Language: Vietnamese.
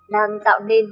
đang tạo nên